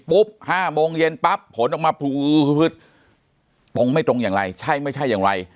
๕โมงเย็นปั๊บผลออกมาตรงไม่ตรงอย่างไรใช่ไม่ใช่อย่างไร